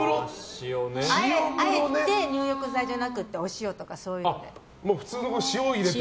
あえて、入浴剤じゃなくてお塩とかそういうので。